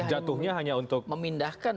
jatuhnya hanya untuk memindahkan